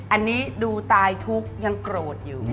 อันนี้ดูตายทุกข์ยังโกรธอยู่